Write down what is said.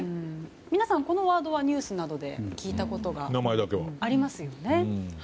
皆さんこのワードはニュースなどで聞いたことありますよね。